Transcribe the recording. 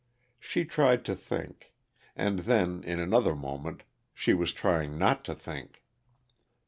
She tried to think and then, in another moment, she was trying not to think.